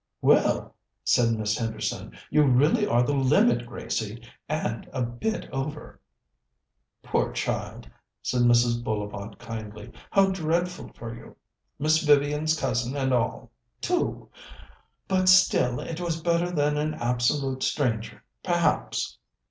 "Well," said Miss Henderson, "you really are the limit, Gracie and a bit over." "Poor child!" said Mrs. Bullivant kindly. "How dreadful for you! Miss Vivian's cousin and all, too! But, still, it was better than an absolute stranger, perhaps."